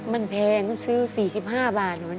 มันแพงต้องซื้อ๔๕บาท